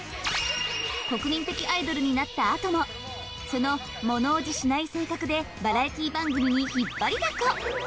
国民的アイドルになったあともそのものおじしない性格でバラエティ番組に引っ張りだこ！